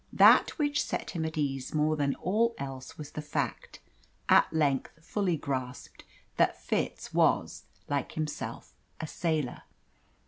That which set him at ease more than all else was the fact, at length fully grasped, that Fitz was, like himself, a sailor.